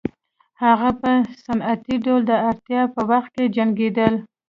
هغوی په سنتي ډول د اړتیا په وخت کې جنګېدل